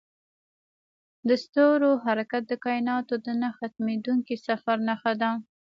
د ستورو حرکت د کایناتو د نه ختمیدونکي سفر نښه ده.